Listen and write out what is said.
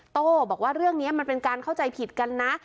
โต้บอกว่าเรื่องนี้มันเป็นการเข้าใจผิดกันนะ